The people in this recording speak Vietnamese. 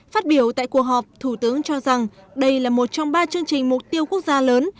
phát biểu tại cuộc họp thủ tướng cho rằng đây là một trong ba chương trình mục tiêu quốc gia lớn